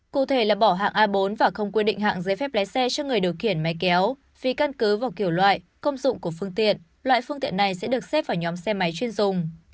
cụ thể là bỏ hạng a bốn và không quy định hạng giấy phép lái xe cho người điều khiển máy kéo vì căn cứ vào kiểu loại công dụng của phương tiện loại phương tiện này sẽ được xếp vào nhóm xe máy chuyên dùng